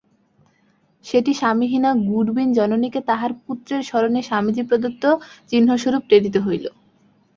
সেটি স্বামিহীনা গুডউইন-জননীকে তাঁহার পুত্রের স্মরণে স্বামীজী-প্রদত্ত চিহ্নস্বরূপ প্রেরিত হইল।